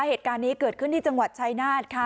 เหตุการณ์นี้เกิดขึ้นที่จังหวัดชายนาฏค่ะ